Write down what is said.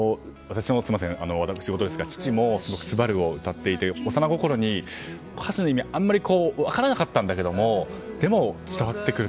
私ごとですが父も「昴」を歌っていて、幼心に歌詞の意味はあまり分からなかったんだけどもでも、伝わってくる。